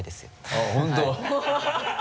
あっ本当